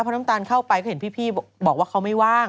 เพราะน้ำตาลเข้าไปก็เห็นพี่บอกว่าเขาไม่ว่าง